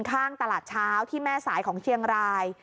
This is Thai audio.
ข้างตลาดเช้าที่แม่สายของเชียงราย